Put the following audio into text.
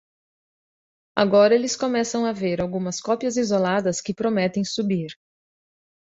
Agora eles começam a ver algumas cópias isoladas que prometem subir.